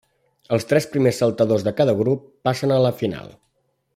Els tres primers saltadors de cada grup passen a la final.